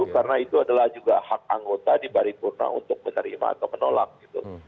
karena itu adalah juga hak anggota di paripurna untuk menerima atau menolak gitu